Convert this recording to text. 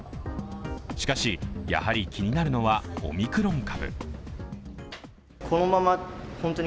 しかし、やはり気になるのはオミクロン株。